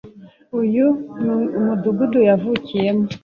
Uyu ni umudugudu yavukiyemo.